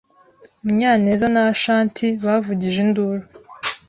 Munyanez na Ashanti bavugije induru.